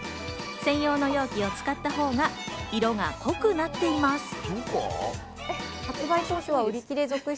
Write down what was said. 専用の容器を使ったほうが色が濃くなっています。